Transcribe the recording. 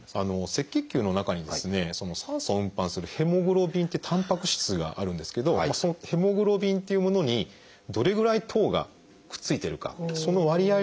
赤血球の中に酸素を運搬するヘモグロビンってたんぱく質があるんですけどそのヘモグロビンっていうものにどれぐらい糖がくっついてるかその割合を見る。